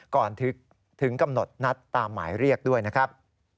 ก่อนถึงกำหนดนัดตามหมายเรียกด้วยนะครับ